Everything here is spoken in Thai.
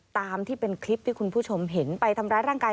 ตามที่เป็นคลิปที่คุณผู้ชมเห็นไปทำร้ายร่างกาย